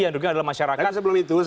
yang dihitung adalah masyarakat